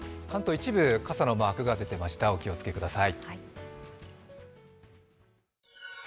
一部、傘のマークが出ていました、お気をつけください。